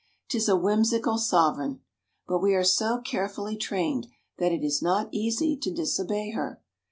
'Tis a whimsical sovereign. But we are so carefully trained that it is not easy to disobey her.